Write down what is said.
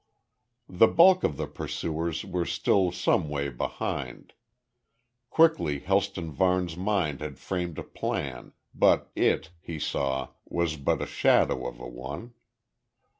The bulk of the pursuers were still some way behind. Quickly Helston Varne's mind had framed a plan, but it, he saw was but a shadow of a one.